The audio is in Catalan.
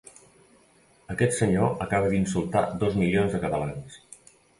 Aquest senyor acaba d’insultar dos milions de catalans.